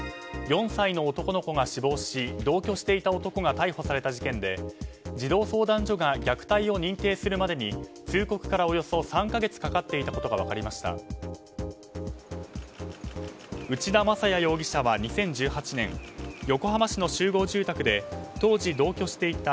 ４歳の男の子が死亡し同居していた男が逮捕された事件で児童相談所が虐待を認定するまでに通告からおよそ３か月かかっていたことが分かりました。